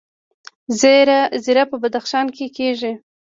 زیره په بدخشان کې کیږي